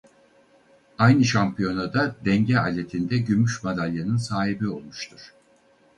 Aynı şampiyonada denge aletinde gümüş madalyanın sahibi olmuştur.